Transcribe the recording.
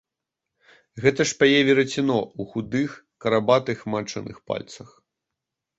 Гэта ж пяе верацяно ў худых карабатых матчыных пальцах.